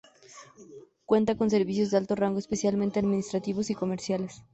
Cuenta con servicios de alto rango, especialmente administrativos y comerciales.